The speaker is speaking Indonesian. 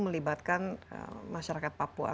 melibatkan masyarakat papua